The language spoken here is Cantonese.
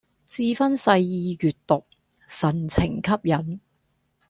志勳細意閱讀，神情吸引